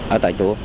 ở tại chỗ